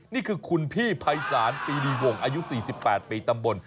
นี่คือคุณพี่ภัยศาลปีดีวงอายุ๔๘ปีตำบล